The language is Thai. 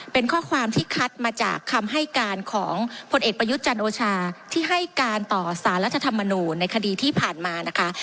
เป็นข้อความที่คัดมาจากคำให้การของผลเอกประยุทธ์จันโอชาที่ให้การต่อสารรัฐธรรมนูลในคดีที่ผ่านมานะคะ